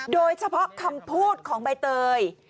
โดยเฉพาะคำพูดของใบเตย